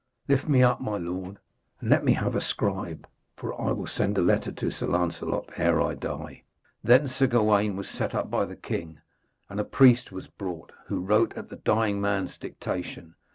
Lift me up, my lord, and let me have a scribe, for I will send a letter to Sir Lancelot ere I die.' Then Sir Gawaine was set up by the king, and a priest was brought, who wrote at the dying man's dictation.